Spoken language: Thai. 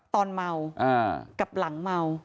ตอนเมากับหลังเมา